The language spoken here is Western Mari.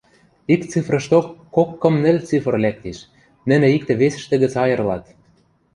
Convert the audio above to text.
Ик цифрышток кок-кым-нӹл цифр лӓктеш, нӹнӹ иктӹ-весӹштӹ гӹц айырлат.